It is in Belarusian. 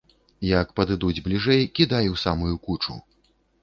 Як падыдуць бліжэй, кідай у самую кучу.